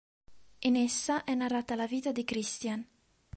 In essa è narrata la vita di Christian.